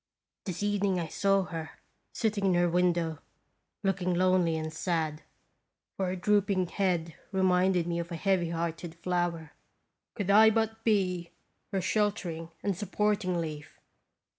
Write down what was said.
This evening I saw her sitting in her window, look ing lonely and sad, for her drooping head reminded me of a heavy hearted flower. Could I but be her shelter ing and supporting leaf